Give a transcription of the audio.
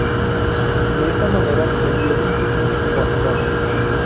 De esa manera, el violín se siente como "afinado".